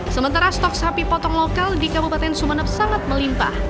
sementara stok sapi potong lokal di kabupaten sumeneb sangat melimpah